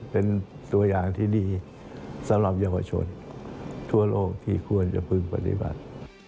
เป็นตัวอย่างที่ดีสำหรับเยาวชนทั่วโลกที่ควรจะพึงปฏิบัติ